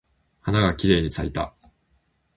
花がきれいに咲いた。